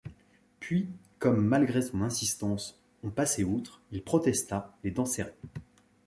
Puis, comme, malgré son insistance, on passait outre, il protesta, les dents serrées.